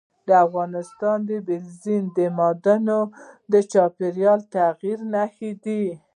افغانستان کې اوبزین معدنونه د چاپېریال د تغیر نښه ده.